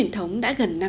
của việt nam